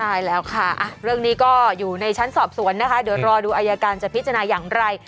ใช่แล้วค่ะเรื่องนี้ก็อยู่ในชั้นสอบสวนนะคะเดี๋ยวรอดูอายการจะพิจารณาอย่างไร